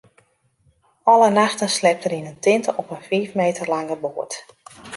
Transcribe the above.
Alle nachten sliept er yn in tinte op in fiif meter lange boat.